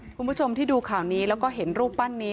คุณผู้ชมที่ดูข่าวนี้แล้วก็เห็นรูปปั้นนี้